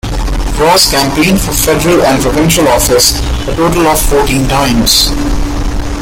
Ross campaigned for federal and provincial office a total of fourteen times.